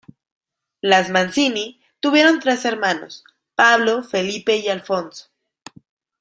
Las Mancini tuvieron tres hermanos: Pablo, Felipe y Alfonso.